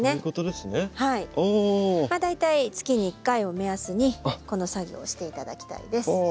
大体月に１回を目安にこの作業をして頂きたいです。